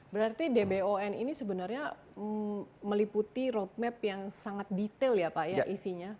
berarti dbon ini sebenarnya meliputi roadmap yang sangat detail ya pak ya isinya